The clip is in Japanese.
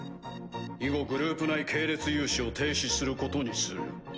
以後グループ内系列融資を停止することにする。